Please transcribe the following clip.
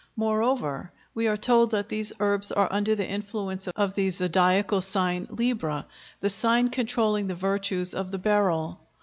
Moreover, we are told that these herbs are under the influence of the zodiacal sign Libra, the sign controlling the virtues of the beryl.